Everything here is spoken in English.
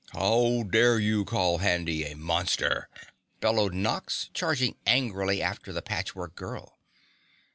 "How dare you call Handy a Monster?" bellowed Nox, charging angrily after the Patchwork Girl.